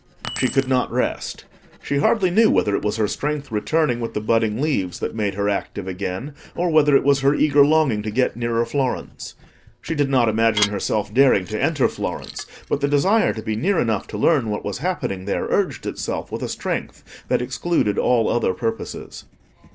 She could not rest. She hardly knew whether it was her strength returning with the budding leaves that made her active again, or whether it was her eager longing to get nearer Florence. She did not imagine herself daring to enter Florence, but the desire to be near enough to learn what was happening there urged itself with a strength that excluded all other purposes.